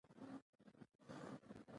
بله ټولنه د برقي انجینرانو لپاره ده.